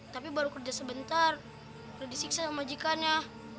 tapi baru kerja sebentar sudah disiksa oleh majikannya